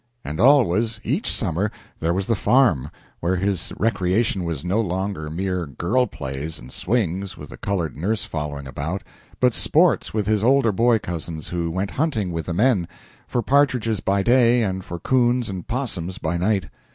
And always, each summer, there was the farm, where his recreation was no longer mere girl plays and swings, with a colored nurse following about, but sports with his older boy cousins, who went hunting with the men, for partridges by day and for 'coons and 'possums by night.